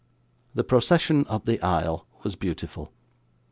The procession up the aisle was beautiful.